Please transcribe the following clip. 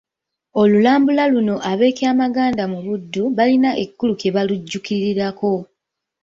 Olulambula luno ab'e Kyamaganda mu Buddu balina ekikulu kye balujjuukirirako.